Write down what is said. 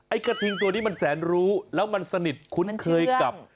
กระทิงตัวนี้มันแสนรู้แล้วมันสนิทคุ้นเคยกับ